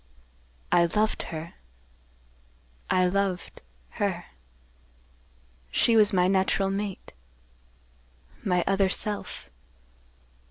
"I loved her—I loved—her. She was my natural mate—my other self.